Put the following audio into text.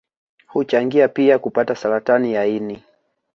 Huchangia pia kupata Saratani ya ini